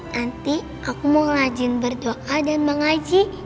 nanti aku mau lajin berdoa dan mengaji